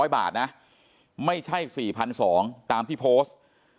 ๐บาทนะไม่ใช่๔๒๐๐ตามที่โพสต์